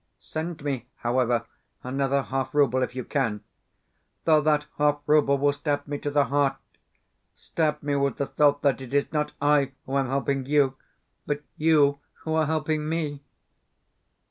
Send me, however, another half rouble if you can (though that half rouble will stab me to the heart stab me with the thought that it is not I who am helping you, but YOU who are helping ME).